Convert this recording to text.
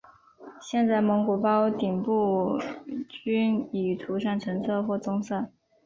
现在蒙古包顶部均已涂上橙色或棕色。